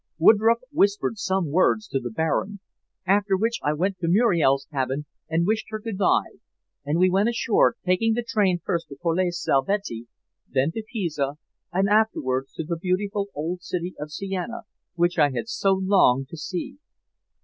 Woodroffe whispered some words to the Baron, after which I went to Muriel's cabin and wished her good bye, and we went ashore, taking the train first to Colle Salvetti, thence to Pisa, and afterwards to the beautiful old city of Siena, which I had so longed to see.